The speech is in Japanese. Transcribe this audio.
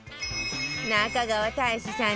中川大志さん